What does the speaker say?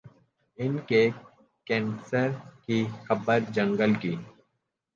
ان کے کینسر کی خبر جنگل کی